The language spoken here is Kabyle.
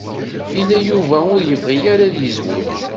Yella Yuba ur yebɣi ara ad yezweǧ.